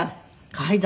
階段。